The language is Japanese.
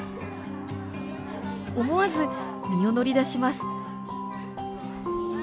思わず身を乗り出します。